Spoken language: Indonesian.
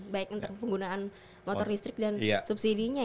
baik untuk penggunaan motor listrik dan subsidinya